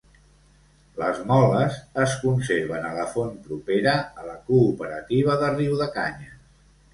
Les moles es conserven a la font propera a la cooperativa de Riudecanyes.